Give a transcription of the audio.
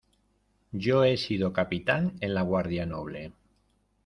yo he sido capitán en la Guardia Noble.